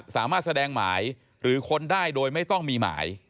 สามารถแสดงหมายหรือค้นได้โดยไม่ต้องมีหมาย